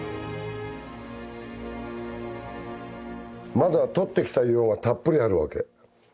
まだ採ってきた硫黄がたっぷりあるわけ。